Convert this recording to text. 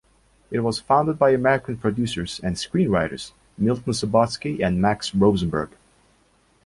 It was founded by American producers and screenwriters Milton Subotsky and Max Rosenberg.